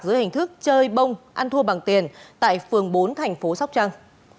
dưới hình thức chơi bông ăn thua bằng tiền tại phường bốn thành phố sóc trăng